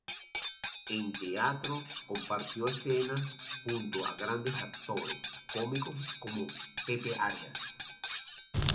En Teatro compartió escena junto a grandes actores cómicos como Pepe Arias.